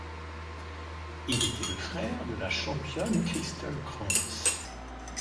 Il était le frère de la championne Christl Cranz.